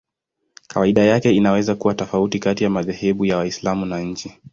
Kawaida yake inaweza kuwa tofauti kati ya madhehebu ya Waislamu na nchi.